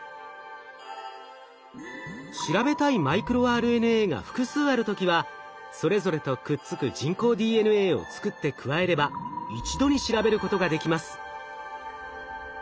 調べたいマイクロＲＮＡが複数ある時はそれぞれとくっつく人工ＤＮＡを作って加えれば一度に調べることができます。